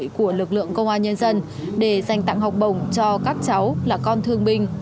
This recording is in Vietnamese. của lực lượng công an nhân dân để dành tặng học bổng cho các cháu là con thương binh